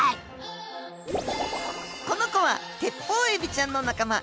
この子はテッポウエビちゃんの仲間。